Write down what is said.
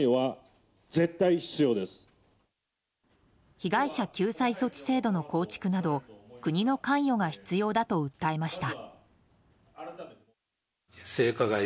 被害者救済措置制度の構築など国の関与が必要だと訴えました。